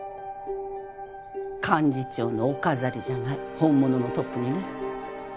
幹事長のお飾りじゃない本物のトップにね。